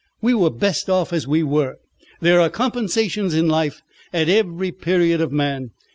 We were best off as we were. There are compensations in life at every period of man.